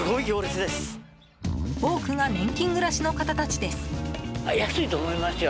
多くが年金暮らしの方たちです。